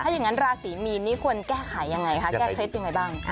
อย่างนั้นราศีมีนนี้ควรแก้ไขยังไงคะแก้เคล็ดยังไงบ้าง